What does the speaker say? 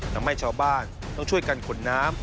ทำให้ชาวบ้านต้องช่วยกันขนน้ำ